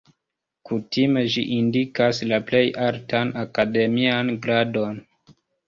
Kutime ĝi indikas la plej altan akademian gradon.